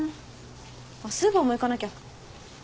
あっスーパーも行かなきゃ。